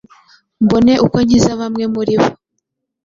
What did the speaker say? mbone uko nkiza bamwe muri bo.